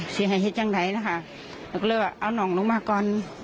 เสียหายเหตุอย่างใดนะคะเราก็เลยว่าเอาน้องลงมาก่อน